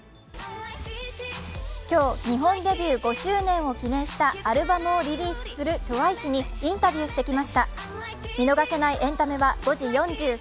今日日本デビュー５周年を記念したアルバムをリリースするＴＷＩＣＥにインタビューしてきました。